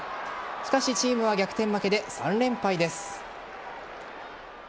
しかし、チームは逆転負けで３連敗です。